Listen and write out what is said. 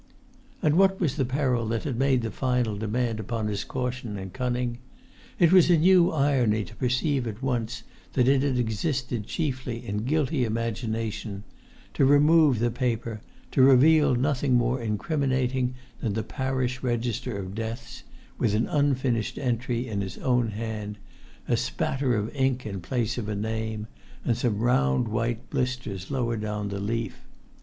And what was the peril that had made the final demand upon his caution and his cunning? It was a new irony to perceive at once that it had existed chiefly in guilty imagination; to remove the paper, and to reveal nothing more incriminating than the parish register of deaths, with an unfinished entry in his own hand, a spatter of ink in place of a name, and some round white blisters lower down the leaf.